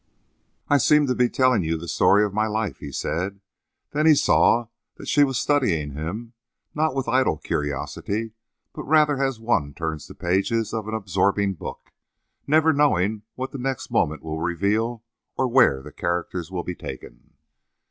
"I seem to be telling you the story of my life," he said. Then he saw that she was studying him, not with idle curiosity, but rather as one turns the pages of an absorbing book, never knowing what the next moment will reveal or where the characters will be taken.